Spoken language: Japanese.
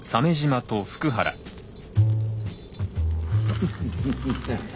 フフフ。